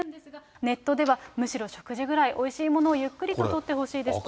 ネットでは、むしろ食事ぐらいおいしいものをゆっくりととってほしいですと。